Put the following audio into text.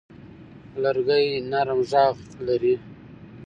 لرګی نرم غږ لري.